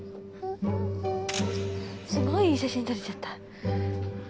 すごいいい写真撮れちゃった。